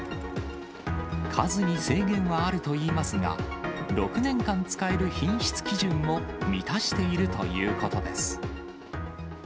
数に制限はあるといいますが、６年間使える品質基準も満たしているということです。